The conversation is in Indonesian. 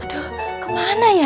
aduh kemana ya